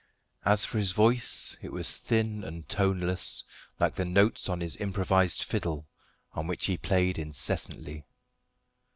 As for his voice, it was thin and toneless, like the notes on his improvised fiddle, on which he played incessantly.